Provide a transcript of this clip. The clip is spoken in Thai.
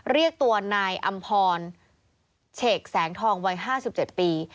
เรียกตัวนายอำพรเฉกแสงทองวัย๕๗ปี